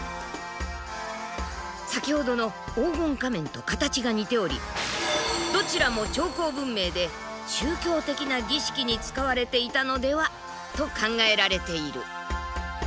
先ほどの黄金仮面と形が似ておりどちらも長江文明で宗教的な儀式に使われていたのでは？と考えられている。